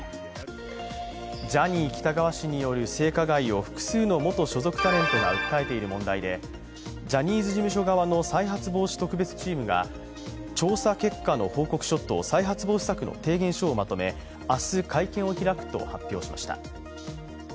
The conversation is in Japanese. ジャニー喜多川氏による性加害を複数の元ジャニーズＪｒ．が訴えている問題で、ジャニーズ事務所側の再発防止特別チームが調査結果の報告書と再発防止策の提言書をまとめ明日、会見を開くと発表しました。